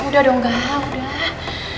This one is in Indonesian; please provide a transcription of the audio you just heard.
udah dong enggak udah